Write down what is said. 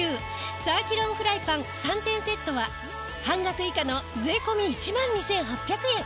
サーキュロンフライパン３点セットは半額以下の税込１万２８００円。